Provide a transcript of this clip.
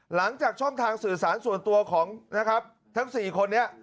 หลังจากช่องทางสื่อสารส่วนตัวของนะครับทั้ง๔คนนี้